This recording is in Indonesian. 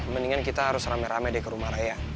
mendingan kita harus rame rame deh ke rumah raya